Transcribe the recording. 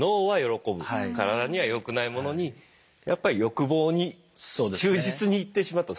体には良くないものにやっぱり欲望に忠実にいってしまった。